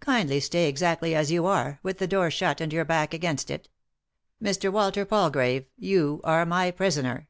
Kindly stay exactly as you are, with the door shut, and your back against it. Mr. Walter Palgrave, you are my prisoner.